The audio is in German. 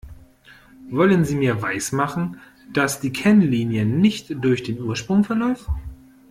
Wollen Sie mir weismachen, dass die Kennlinie nicht durch den Ursprung verläuft?